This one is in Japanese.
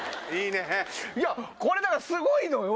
いやこれだからすごいのよ！